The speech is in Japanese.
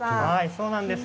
そうなんです。